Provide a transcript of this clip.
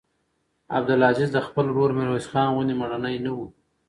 عبدالعزیز د خپل ورور میرویس خان غوندې مړنی نه و.